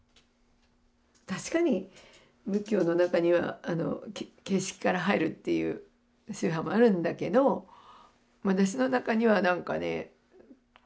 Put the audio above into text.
確かに仏教の中には形式から入るっていう宗派もあるんだけど私の中には何かね